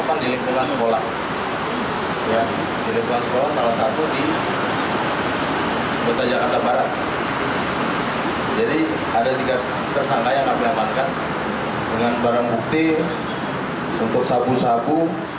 jadi ada tiga tersangka yang tidak diangkat dengan barang bukti untuk sabu sabu